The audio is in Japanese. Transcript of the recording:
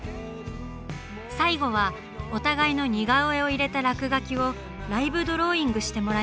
最後はお互いの似顔絵を入れた落書きをライブドローイングしてもらいました。